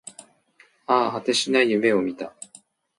ああ、果てしない夢を見た